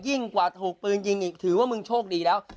ยิ่งกว่าถูกปืนจริงถือว่ามึงโชคดีแล้ว